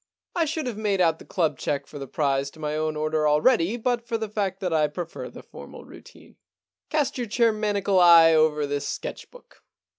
I should have made out the club cheque for the prize to my own order already but for the fact that I prefer the formal routine. Cast your chair maniacal eye over this sketch book.